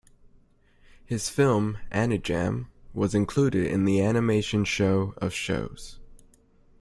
His film "Anijam" was included in the Animation Show of Shows.